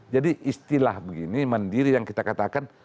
jadi istilah begini mandiri yang kita katakan